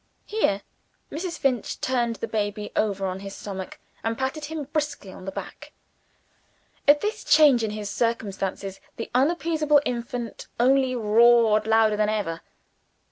Here Mrs. Finch turned the baby over on his stomach, and patted him briskly on the back. At this change in his circumstances, the unappeasable infant only roared louder than ever.